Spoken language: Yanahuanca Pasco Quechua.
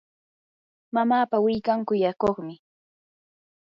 mamapa willkan kuyakuqmi.